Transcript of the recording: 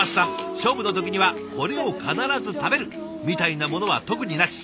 「勝負の時にはこれを必ず食べる！」みたいなものは特になし。